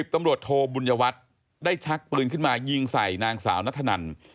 ตำรวจโทบุญวัฒน์ได้ชักปืนขึ้นมายิงใส่นางสาวนัทธนัน